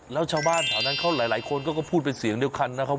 แล้วชาวบ้านแถวนั้นเขาหลายคนก็พูดเป็นเสียงเดียวกันนะครับ